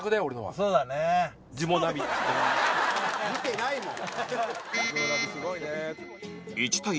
見てないもん。